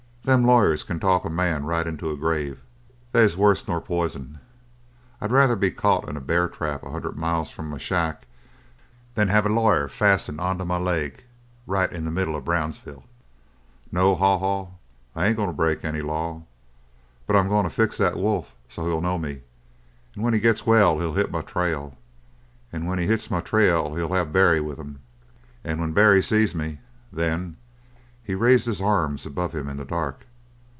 Them lawyers can talk a man right into a grave. They's worse nor poison. I'd rather be caught in a bear trap a hundred miles from my shack than have a lawyer fasten onto my leg right in the middle of Brownsville. No, Haw Haw, I ain't going to break any law. But I'm going to fix the wolf so's he'll know me; and when he gets well he'll hit my trail, and when he hits my trail he'll have Barry with him. And when Barry sees me, then " he raised his arms above him in the dark.